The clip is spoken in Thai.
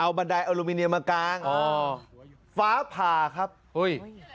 บันไดอลูมิเนียมากางอ๋อฟ้าผ่าครับเฮ้ย